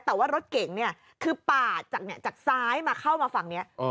แต่ว่ารถเก๋งเนี่ยคือปาดจากซ้ายมาเข้ามาฝั่งนี้